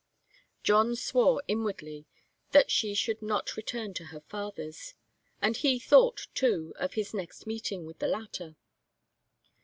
John swore, inwardly, that she should not return to her father's. And he thought, too, of his next meeting with the latter.